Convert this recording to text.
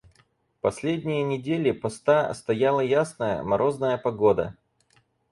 Последние недели поста стояла ясная, морозная погода.